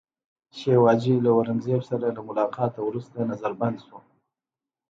شیوا جي له اورنګزېب سره له ملاقاته وروسته نظربند شو.